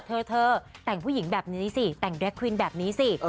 เธอแต่งผู้หญิงแบบนี้สิแต่งแรคควินแบบนี้สิ